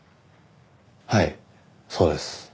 はいそうです。